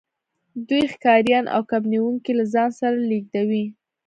دوی ښکاریان او کب نیونکي له ځان سره لیږدوي